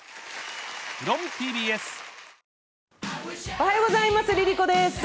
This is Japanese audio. おはようございます、ＬｉＬｉＣｏです。